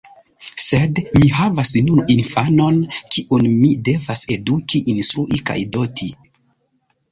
Sed mi havas nun infanon, kiun mi devas eduki, instrui kaj doti.